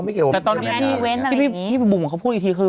ไม่เกี่ยวกับพวกเราแต่ตอนนี้พี่บุ่มเขาพูดอีกทีคือ